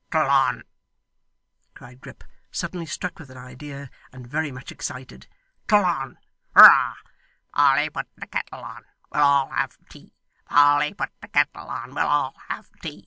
' tle on,' cried Grip, suddenly struck with an idea and very much excited. ' tle on. Hurrah! Polly put the ket tle on, we'll all have tea; Polly put the ket tle on, we'll all have tea.